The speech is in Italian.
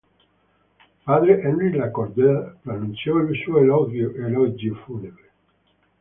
Padre Henri Lacordaire pronunciò il suo elogio funebre.